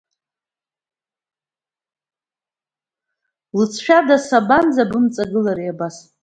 Лҵшәада сабанӡабымҵагылари абас?